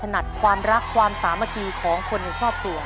เพียงความถนัดความรักความสามารถของคนในครอบครัว